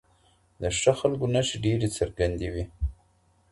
د ښه خلکو نښې ډېرې څرګندې وي.